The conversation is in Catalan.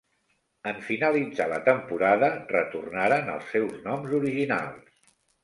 En finalitzar la temporada retornaren als seus noms originals.